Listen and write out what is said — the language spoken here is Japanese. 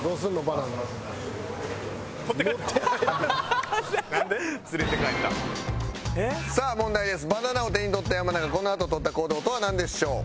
バナナを手に取った山名がこのあと取った行動とはなんでしょう？」